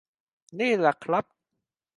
นี่แหละครับ